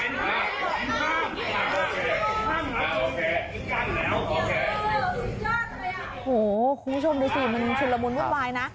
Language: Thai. โหคุณผู้ชมดูสิมันชุดละมุนเยอะไหวนะ